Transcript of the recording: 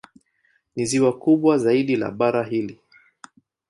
Ni ziwa kubwa zaidi la bara hili.